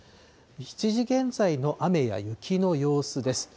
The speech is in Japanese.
７時現在の雨や雪の様子です。